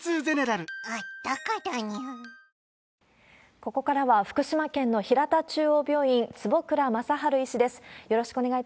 ここからは福島県のひらた中央病院、坪倉正治医師です。